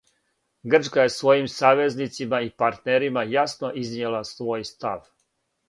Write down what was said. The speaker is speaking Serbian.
Грчка је својим савезницима и партнерима јасно изнијела свој став.